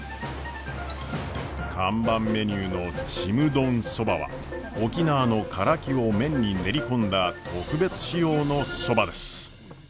看板メニューのちむどんそばは沖縄のカラキを麺に練り込んだ特別仕様のそばです。